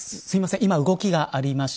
今、動きがありました。